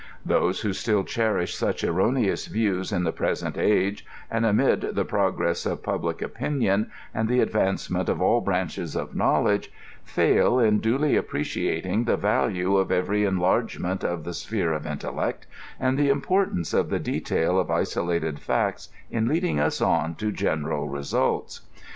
Those who slili cherish such erro neous views in the present age, and amid the progress of pub lic opinion, and the advancement of all branches of knowledge, fail in duly ajppteciating the value of every enlargement of the sphere of inteUeet, and the in^rtanee c^ the detail of isolated facts in leading us on to general results.